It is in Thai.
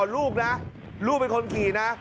ลูกนะลูกเป็นคนขี่นะ